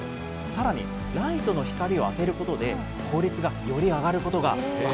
さらに、ライトの光を当てることで効率がより不思議。